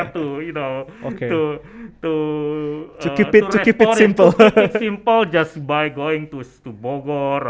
menjaga kemudiannya dengan berjalan ke bogor